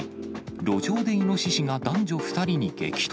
路上でイノシシが男女２人に激突。